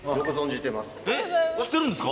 知ってるんですか？